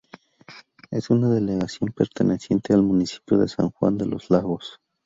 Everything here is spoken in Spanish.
Es una delegación perteneciente al municipio de san juan de los lagos.